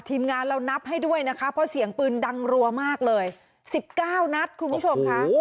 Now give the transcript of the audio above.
ทีมงานเรานับให้ด้วยนะคะเพราะเสียงปืนดังรัวมากเลย๑๙นัดคุณผู้ชมค่ะ